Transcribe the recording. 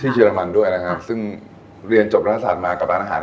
เยอรมันด้วยนะครับซึ่งเรียนจบรัฐศาสตร์มากับร้านอาหาร